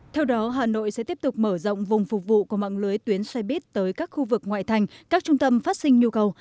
theo đó hà nội sẽ tiếp tục mở rộng vùng phục vụ của mạng lưới tuyến xe buýt tới các khu vực ngoại thành các trung tâm phát sinh nhu cầu